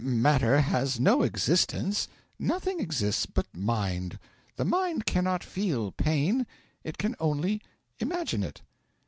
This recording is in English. Matter has no existence; nothing exists but mind; the mind cannot feel pain, it can only imagine it.'